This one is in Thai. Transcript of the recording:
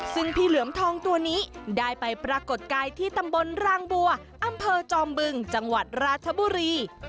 ซึ่งพี่เหลือมทองตัวนี้ได้ไปปรากฏกายที่ตำบลรางบัวอำเภอจอมบึงจังหวัดราชบุรี